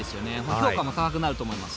評価も高くなると思います。